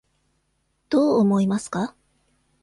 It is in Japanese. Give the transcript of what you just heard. どう思いますか?